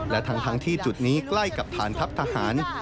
และทั้งที่จุดนี้ใกล้กับฐานทัพทหาร